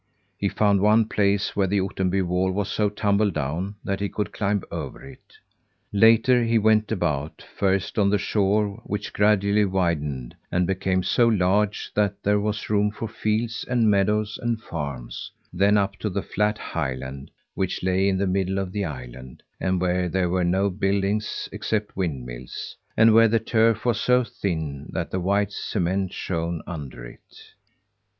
He found one place where the Ottenby wall was so tumble down that he could climb over it. Later, he went about, first on the shore which gradually widened and became so large that there was room for fields and meadows and farms then up on the flat highland, which lay in the middle of the island, and where there were no buildings except windmills, and where the turf was so thin that the white cement shone under it.